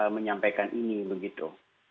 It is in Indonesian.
menyampaikan ini begitu